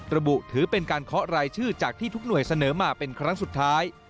ระบุถือเป็นการเคาะรายชื่อจากที่ทุกหน่วยเสนอมาเป็นครั้งสุดท้าย